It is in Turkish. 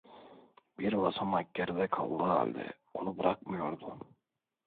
Bir basamak geride kaldığı halde onu bırakmıyordu.